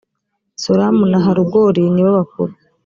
solamu na harugoli nibo bakuru.